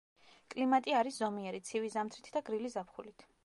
კლიმატი არის ზომიერი, ცივი ზამთრით და გრილი ზაფხულით.